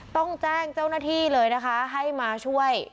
ต้องแจ้งเจ้าหน้าที่เลยนะคะให้มาช่วย